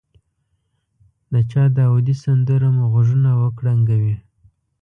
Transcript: د چا داودي سندره مو غوږونه وکړنګوي.